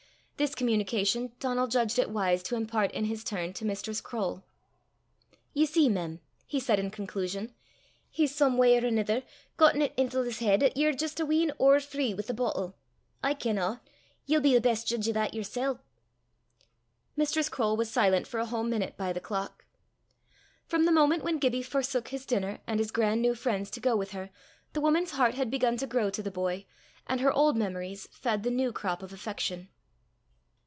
This communication Donal judged it wise to impart in his turn to Mistress Croale. "Ye see, mem," he said in conclusion, "he's some w'y or anither gotten 't intil 's heid 'at ye're jist a wheen ower free wi' the boatle. I kenna. Ye'll be the best jeedge o' that yersel'!" Mistress Croale was silent for a whole minute by the clock. From the moment when Gibbie forsook his dinner and his grand new friends to go with her, the woman's heart had begun to grow to the boy, and her old memories fed the new crop of affection.